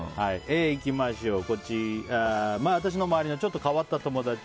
いきましょう私の周りのちょっと変わった友達。